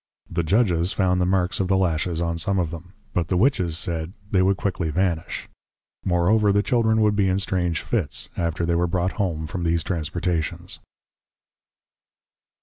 The \Judges\ found the marks of the Lashes on some of them; but the Witches said, \They would Quickly vanish\. Moreover the Children would be in \strange Fits\, after they were brought Home from these Transportations.